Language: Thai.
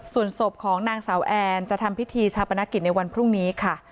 ส่วนศพของนางสาวแอนจะทำพิธีชาปนกิจในวันพรุ่งนี้ค่ะ